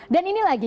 dan ini lagi